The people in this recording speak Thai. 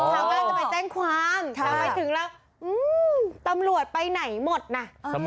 ชาวบ้านจะไปแจ้งความแต่ไปถึงแล้วตำรวจไปไหนหมดน่ะ